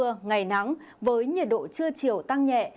và ít mưa ngày nắng với nhiệt độ chưa chiều tăng nhẹ